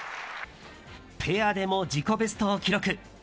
ペアでも自己ベストを記録。